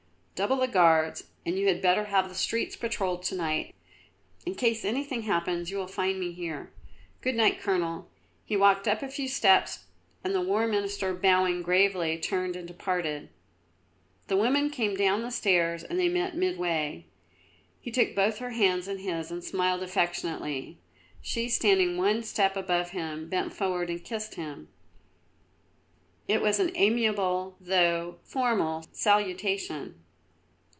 Double the Guards and you had better have the streets patrolled to night. In case anything happens, you will find me here. Good night, Colonel." He walked up a few steps, and the War Minister, bowing gravely, turned and departed. The woman came down the stairs and they met midway. He took both her hands in his and smiled affectionately; she, standing one step above him, bent forward and kissed him. It was an amiable, though formal, salutation.